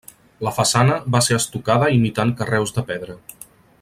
La façana va ser estucada imitant carreus de pedra.